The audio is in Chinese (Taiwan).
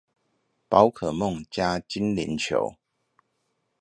寶可夢加精靈球